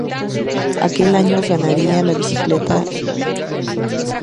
Aquel año ganaría la Bicicleta Eibarresa.